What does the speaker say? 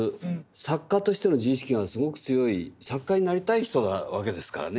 作家としての自意識がすごく強い作家になりたい人なわけですからね。